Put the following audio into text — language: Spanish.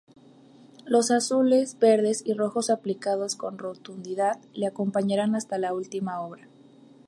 Los azules, verdes y rojos aplicados con rotundidad le acompañarán hasta la última obra.